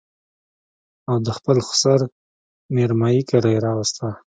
او د خپل سخر مېرمايي کره يې راوسته